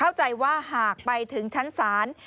เข้าใจว่าหากไปถึงชั้นศาล